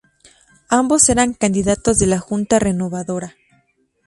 Ambos eran los candidatos de la Junta Renovadora.